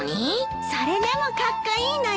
それでもカッコイイのよ。